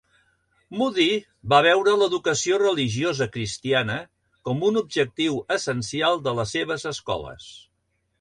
Moody va veure l'educació religiosa cristiana com un objectiu essencial de les seves escoles.